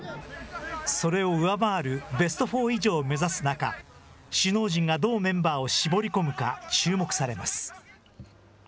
それを上回るベスト４以上を目指す中、首脳陣がどうメンバーを絞り込むか注目されます。